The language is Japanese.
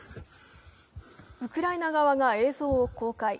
ウクライナ側が映像を公開。